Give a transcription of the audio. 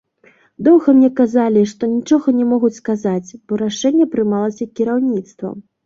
Доўга мне казалі, што нічога не могуць сказаць, бо рашэнне прымалася кіраўніцтвам.